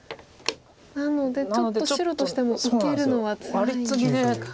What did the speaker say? なのでちょっと白としても受けるのはつらいんですか。